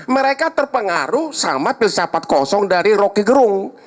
mereka terpengaruh sama filsafat kosong dari rocky gerung